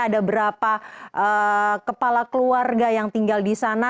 ada berapa kepala keluarga yang tinggal di sana